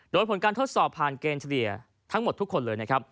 โดยผลการทดสอบผ่านเกณฑ์เฉลี่ยทั้งหมดทุกคนเลยนะครับ